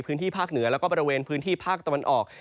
พื้นที่ภาคเหนือแล้วก็บริเวณพื้นที่ภาคตะวันออก